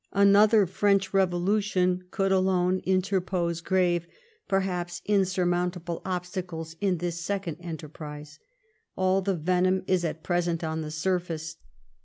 Another French Eevoliition could alone interpose grave — perhaps insurmountable — obstacles to this second enterprise. " All the venom is at present on the surface.